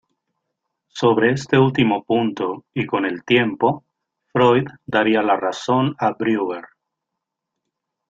Sobre este último punto, y con el tiempo, Freud daría la razón a Breuer.